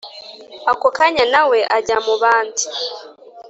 ako kanya nawe ajya mubandi